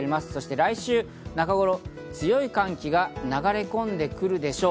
来週中頃、強い寒気が流れ込んでくるでしょう。